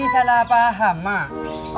salah paham mak